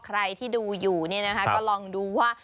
ใครที่ดูอยู่ก็ลองดูว่า